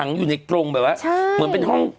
อยู่ในกรงแบบว่าเหมือนเป็นห้อง